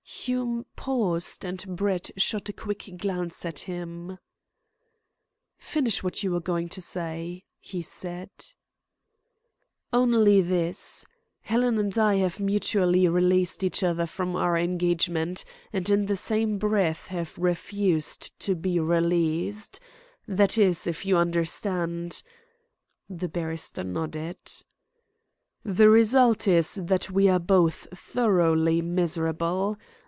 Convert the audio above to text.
Hume paused, and Brett shot a quick glance at him. "Finish what you were going to say," he said. "Only this Helen and I have mutually released each other from our engagement, and in the same breath have refused to be released. That is, if you understand " The barrister nodded. "The result is that we are both thoroughly miserable.